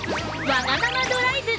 「わがままドライブ！